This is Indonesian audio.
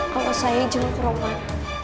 kalau saya jenguk rumah